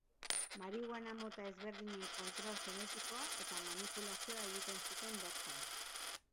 Marihuana mota ezberdinen kontrol genetikoa eta manipulazioa egiten zuten bertan.